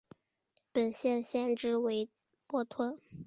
本县县治为波托。